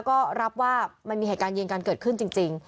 ก็รับว่ามันมีเหตุการณ์ยิงกันเกิดขึ้นจริง